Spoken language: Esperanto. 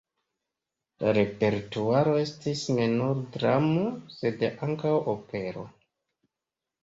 La repertuaro estis ne nur dramo, sed ankaŭ opero.